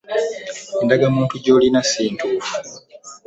Endagamuntu gy'olima si ntuufu.